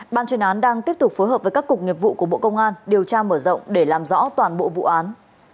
ban chuyên án đang tiếp tục phối hợp với các cục nghiệp vụ của bộ công an điều tra mở rộng để làm rõ toàn bộ vụ án